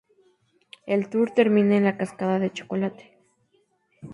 El tour termina en la cascada de chocolate.